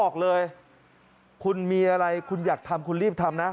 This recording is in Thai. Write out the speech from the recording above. บอกเลยคุณมีอะไรคุณอยากทำคุณรีบทำนะ